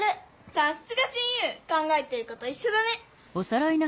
さっすが親友考えてることいっしょだね。